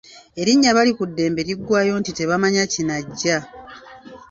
Erinnya Balikuddembe liggwayo nti Tebamanya kinajja.